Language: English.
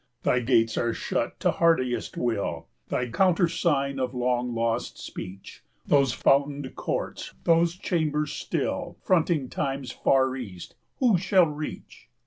Thy gates are shut to hardiest will, Thy countersign of long lost speech, Those fountained courts, those chambers still, 55 Fronting Time's far East, who shall reach?